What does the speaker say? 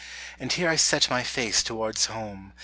And here I set my race towards home.